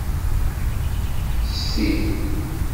Sti!